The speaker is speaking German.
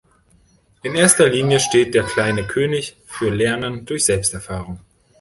In erster Linie steht der Kleine König für Lernen durch Selbsterfahrung.